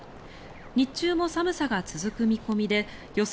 日中も寒さが続く見込みで予想